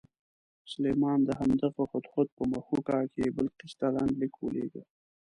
سلیمان د همدغه هدهد په مښوکه کې بلقیس ته لنډ لیک ولېږه.